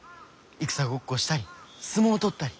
戦ごっこしたり相撲取ったり。